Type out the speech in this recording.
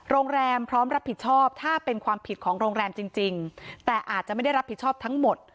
โรงแรมพร้อมรับผิดชอบถ้าเป็นความผิดของโรงแรมจริงแต่อาจจะไม่ได้รับผิดชอบทั้งหมด